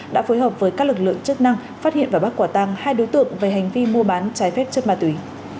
đã phối hợp với các lực lượng chức năng phát hiện và bắt quả tăng hai đối tượng về hành vi mua bán trái phép chất ma túy